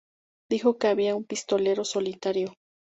Dijo que había un pistolero solitario.